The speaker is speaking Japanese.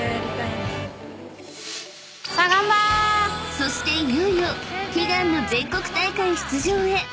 ［そしていよいよ悲願の全国大会出場へ］